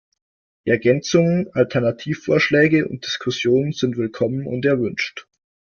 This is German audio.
Ergänzungen, Alternativvorschläge und Diskussionen sind willkommen und erwünscht.